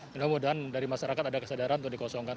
mudah mudahan dari masyarakat ada kesadaran untuk dikosongkan